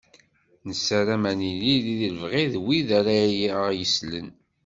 Nessaram ad nili di lebɣi n wid ara aɣ-yeslen.